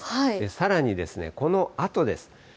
さらにですね、このあとです。